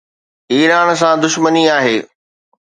Iran سان دشمني آهي.